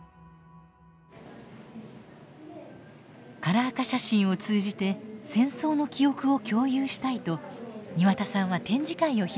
カラー化写真を通じて戦争の記憶を共有したいと庭田さんは展示会を開きました。